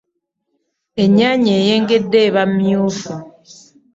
Enyanya eyengedde eba myuffu.